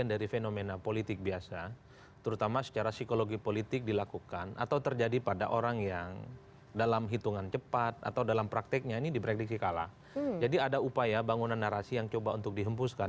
dalam hitungan cepat atau dalam prakteknya ini diprediksi kalah jadi ada upaya bangunan narasi yang coba untuk dihempuskan